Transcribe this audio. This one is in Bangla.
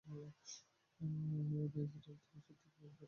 নাইজেল, তুমি সত্যি উপভোগ করছ না?